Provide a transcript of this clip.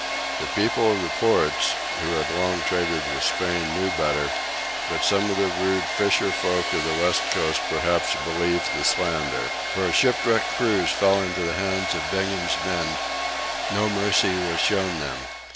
The people of the ports, who had long traded with Spain, knew better, but some of the rude fisher folk of the west coast perhaps believed the slander. Where shipwrecked crews fell into the hands of Bingham's men no mercy was shown them.